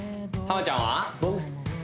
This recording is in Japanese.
ちゃんは？